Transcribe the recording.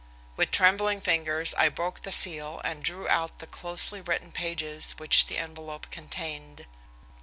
With trembling fingers I broke the seal and drew out the closely written pages which the envelope contained.